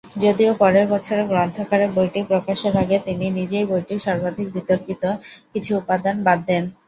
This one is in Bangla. যদিও পরের বছর গ্রন্থাকারে বইটি প্রকাশের আগে তিনি নিজেই বইটির সর্বাধিক বিতর্কিত কিছু উপাদান বাদ দেন।